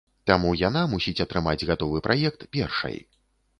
Таму яна мусіць атрымаць гатовы праект першай.